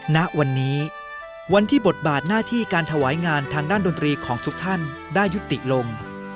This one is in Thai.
ณวันนี้วันที่บทบาทหน้าที่การถวายงานทางด้านดนตรีของทุกท่านได้ยุติลง